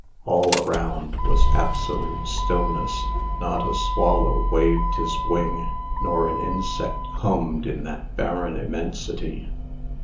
All around was absolute stillness. Not a swallow waved his wing nor an insect hummed in that barren immensity.